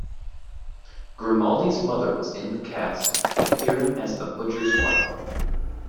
Grimaldi's mother was in the cast, appearing as the Butcher's Wife.